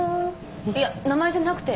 いや名前じゃなくて。